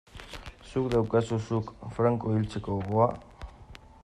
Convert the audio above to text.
Zuk daukazu, zuk, Franco hiltzeko gogoa?